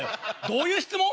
どういう質問？